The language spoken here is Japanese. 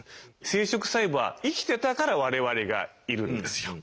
生殖細胞が生きてたから我々がいるんですよ。